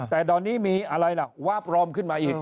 แต่ตอนนี้มีวาฟรอมขึ้นมาอีก